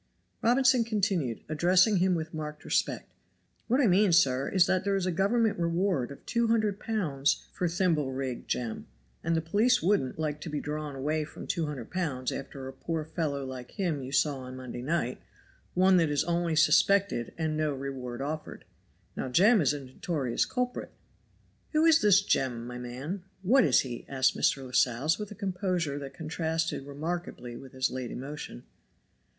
Robinson continued, addressing him with marked respect, "What I mean, sir, is that there is a government reward of two hundred pounds for Thimble rig Jem, and the police wouldn't like to be drawn away from two hundred pounds after a poor fellow like him you saw on Monday night, one that is only suspected and no reward offered. Now Jem is a notorious culprit." "Who is this Jem, my man? What is he?" asked Mr. Lascelles with a composure that contrasted remarkably with his late emotion.